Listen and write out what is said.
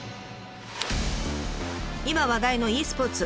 今話題のｅスポーツ。